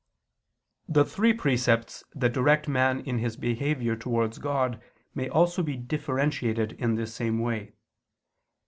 The three precepts that direct man in his behavior towards God may also be differentiated in this same way.